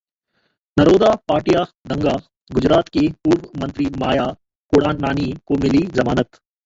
नरोदा पाटिया दंगा: गुजरात की पूर्व मंत्री माया कोडनानी को मिली जमानत